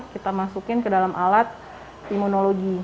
kita masukin ke dalam alat imunologi